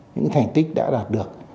những thành tích đã đạt được